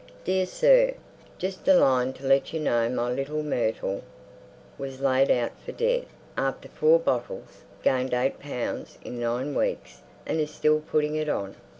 "Dear Sir,—Just a line to let you know my little Myrtil was laid out for dead.... After four bottils... gained 8 lbs. in 9 weeks, and is still putting it on."